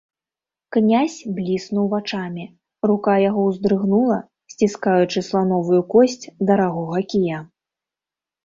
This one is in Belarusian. Князь бліснуў вачамі, рука яго ўздрыгнула, сціскаючы слановую косць дарагога кія.